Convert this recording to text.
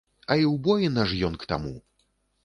А і ўбоіна ж ён к таму!